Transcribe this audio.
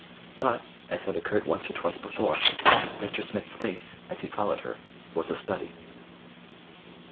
But, as had occurred once or twice before, Mr. Smith's face, as he followed her, was a study.